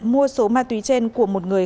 mua số ma túy trên của một người